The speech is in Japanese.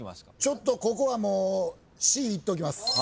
ちょっとここはもうＣいっときます。